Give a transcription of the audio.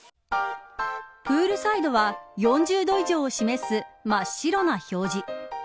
プールサイドは４０度以上を示す真っ白な表示。